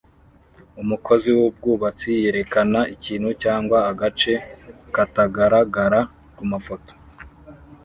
Umukozi wubwubatsi yerekana ikintu cyangwa agace katagaragara kumafoto